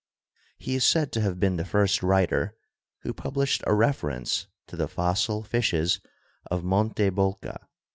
He is said to have been the first writer who published a reference to the fos sil fishes of Monte Bolca.